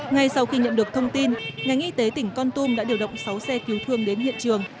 ngay sau khi nhận được thông tin ngành y tế tỉnh con tum đã điều động sáu xe cứu thương đến hiện trường